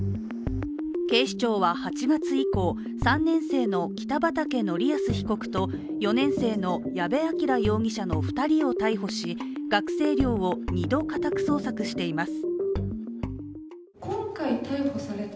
警視庁は８月以降、３年生の北畠成文被告と４年生の矢部鑑羅容疑者の２人を逮捕し学生寮を２度、家宅捜索しています。